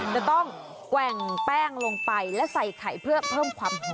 จะต้องแกว่งแป้งลงไปและใส่ไข่เพื่อเพิ่มความหอม